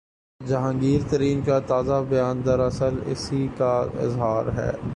جہانگیر ترین کا تازہ بیان دراصل اسی کا اظہار ہے۔